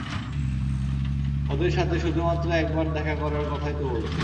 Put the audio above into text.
ওদের সাথে শুধুমাত্র একবার দেখা করার কথাই তো বলছি।